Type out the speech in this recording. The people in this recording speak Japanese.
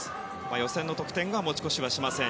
予選の得点の持ち越しはありません。